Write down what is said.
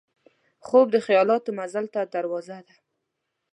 خوب د خیالاتو مزل ته دروازه ده